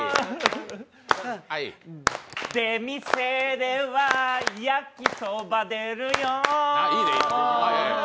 出店では焼きそば出るよ